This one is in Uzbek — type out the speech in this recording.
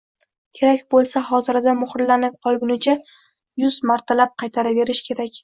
Kerak bo‘lsa, xotirada muhrlanib qolgunicha yuz martalab qaytaraverish kerak: